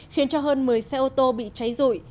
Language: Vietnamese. khiến cho hơn một mươi xe ô tô bị cháy rụi